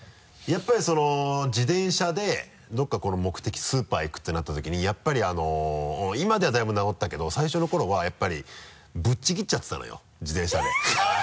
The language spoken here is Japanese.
やっぱりその自転車でどこか目的スーパー行くってなった時にやっぱりあの今ではだいぶ直ったけど最初の頃はやっぱりぶっちぎっちゃってたのよ自転車で。